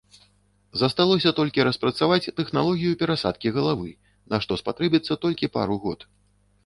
Засталося толькі распрацаваць тэхналогію перасадкі галавы, на што спатрэбіцца толькі пару год.